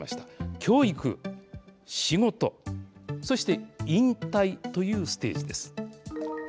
教育、仕事、そして、引退というステージです。